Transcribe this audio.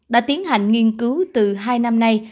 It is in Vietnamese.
đã tiến hành nghiên cứu từ hai năm nay